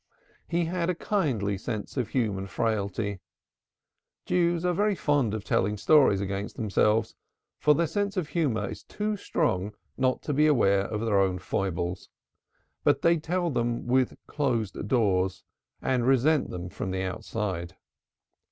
He had a kindly sense of human frailty. Jews are very fond of telling stories against themselves for their sense of humor is too strong not to be aware of their own foibles but they tell them with closed doors, and resent them from the outside.